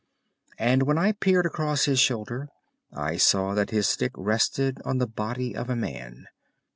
And when I peered across his shoulder I saw that his stick rested on the body of a man.